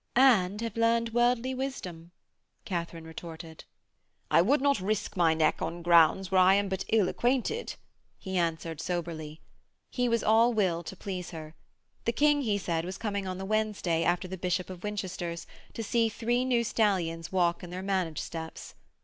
'And have learned worldly wisdom,' Katharine retorted. 'I would not risk my neck on grounds where I am but ill acquainted,' he answered soberly. He was all will to please her. The King, he said, was coming on the Wednesday, after the Bishop of Winchester's, to see three new stallions walk in their manage steps.